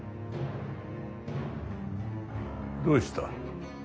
どうした？